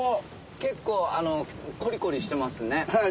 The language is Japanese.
結構コリコリしてますね。